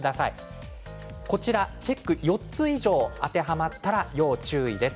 チェックが４つ以上当てはまったら要注意です。